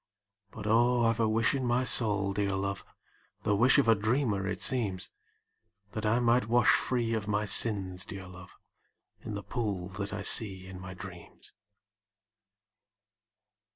But, oh, I 've a wish in my soul, dear love, (The wish of a dreamer, it seems,) That I might wash free of my sins, dear love, In the pool that I see in my dreams.